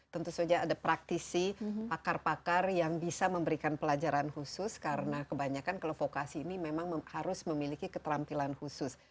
tentu saja ada praktisi pakar pakar yang bisa memberikan pelajaran khusus karena kebanyakan kalau vokasi ini memang harus memiliki keterampilan khusus